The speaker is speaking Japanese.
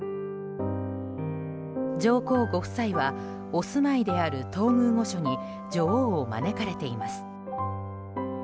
上皇ご夫妻はお住まいである東宮御所に女王を招かれています。